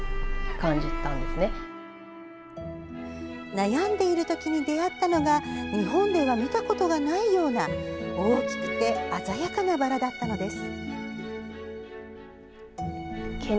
悩んでいる時に出会ったのが日本では見たことがないような大きくて鮮やかなバラだったのです。